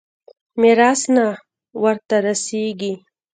ميراث نه ورته رسېږي.